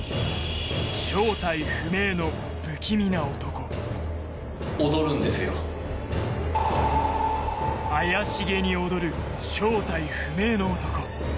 正体不明の怪しげに踊る正体不明の男